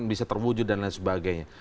bisa terwujud dan lain sebagainya